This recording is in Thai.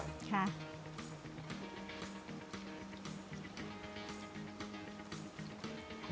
ค่ะ